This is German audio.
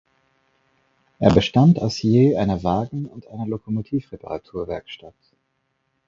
Er bestand aus je einer Wagen- und einer Lokomotiv-Reparatur-Werkstatt.